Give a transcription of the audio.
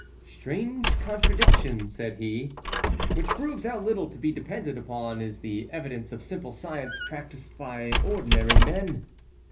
"Strange contradiction," said he, "which proves how little to be depended on is the evidence of simple science practised by ordinary men!